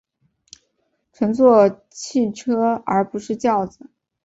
乘坐汽车而不是轿子